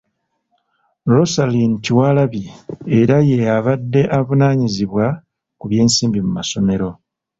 Rosalind Kyewalabye era y'abadde avunaanyizibwa ku by'ensimbi mu masomero.